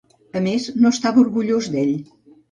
A més, no estava orgullós d'ell.